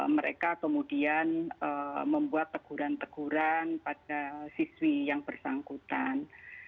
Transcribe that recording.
mereka kemudian membuat teguran teguran pada siswi yang bersangkutan